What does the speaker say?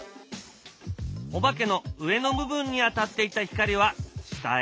お化けの上の部分に当たっていた光は下へ。